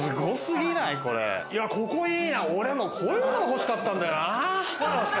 俺もこういうのが欲しかったんだよな。